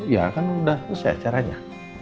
ya kan udah selesai acaranya